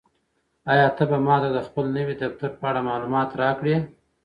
آیا ته به ماته د خپل نوي دفتر په اړه معلومات راکړې؟